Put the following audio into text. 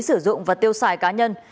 sử dụng và tiêu xài cá nhân